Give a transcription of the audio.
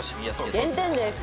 減点です！